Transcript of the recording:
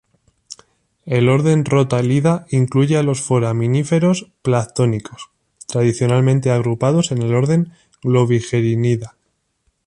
El orden Rotaliida incluye a los foraminíferos planctónicos, tradicionalmente agrupados en el orden Globigerinida.